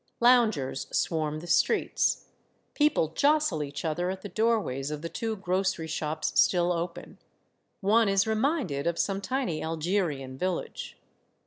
Loungers swarm the streets, people jostle each other at the doorways of the two grocery shops still open. One is reminded of some tiny Algerian village.